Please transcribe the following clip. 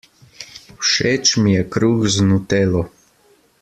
Všeč mi je kruh z nutelo.